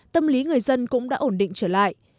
tâm lý người dân cũng đã ổn định trở lại